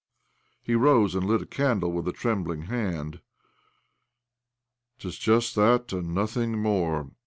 He rose and lit a candle with a trembling hand. " 'Tis just that and nothing more.